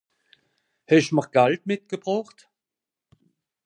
Hesch'm'r s'Gald mitgebrocht?